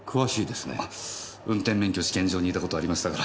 運転免許試験場にいた事ありましたから。